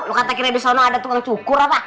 lu kata kira disono ada tukang cukur apa